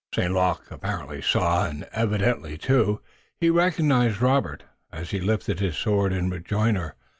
St. Luc evidently saw, and evidently, too, he recognized Robert, as he lifted his sword in rejoinder.